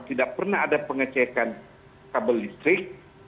tidak pernah ada pengecekan kabel listrik